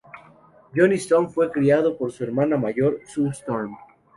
Johnny Storm fue criado por su hermana mayor, Sue Storm.